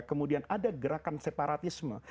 kemudian ada gerakan separatisme